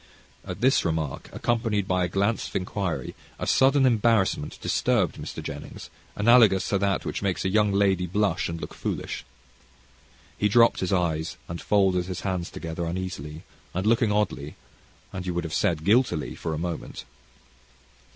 At this remark, accompanied by a glance of inquiry, a sudden embarrassment disturbed Mr. Jennings, analogous to that which makes a young lady blush and look foolish. He dropped his eyes, and folded his hands together uneasily, and looked oddly, and you would have said, guiltily, for a moment.